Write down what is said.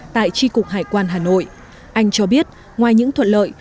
tại tri cục hải quan hà nội anh cho biết ngoài những thuận lợi